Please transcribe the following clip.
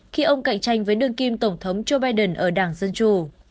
khi ông cạnh tranh với đương kim tổng thống joe biden ở đảng dân chủ